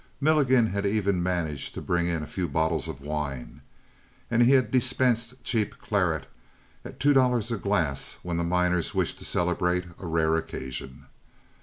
Milligan had even managed to bring in a few bottles of wine, and he had dispensed cheap claret at two dollars a glass when the miners wished to celebrate a rare occasion.